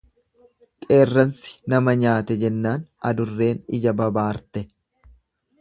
Qeerransi nama nyaate jennaan adurreen ija babaarte.